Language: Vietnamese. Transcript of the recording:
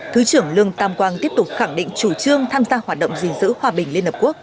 thứ trưởng lương tam quang tiếp tục khẳng định chủ trương tham gia hoạt động gìn giữ hòa bình liên hợp quốc